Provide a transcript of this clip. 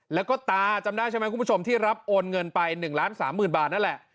แล้วก็ตาจำได้ใช่ไหมคุณผู้ชมที่รับโอนเงินไป๑ล้าน๓๐๐๐บาทนั่นแหละ